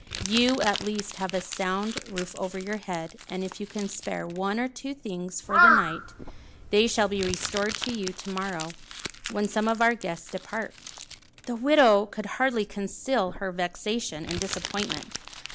You at least have a sound roof over your head, and if you can spare one or two things for the night, they shall be restored to you to morrow, when some of our guests depart." The widow could hardly conceal her vexation and disappointment.